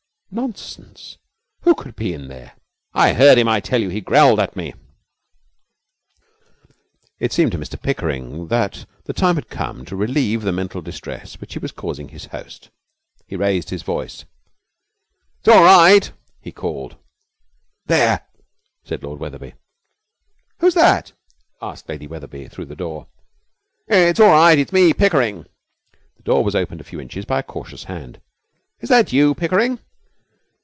'Nonsense; who could be in there?' 'I heard him, I tell you. He growled at me!' It seemed to Mr Pickering that the time had come to relieve the mental distress which he was causing his host. He raised his voice. 'It's all right!' he called. 'There!' said Lord Wetherby. 'Who's that?' asked Lady Wetherby, through the door. 'It's all right. It's me Pickering.' The door was opened a few inches by a cautious hand. 'Is that you, Pickering?'